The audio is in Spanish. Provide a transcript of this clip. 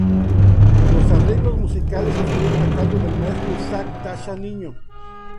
Los arreglos musicales estuvieron a cargo del maestro Isaac Tacha Niño.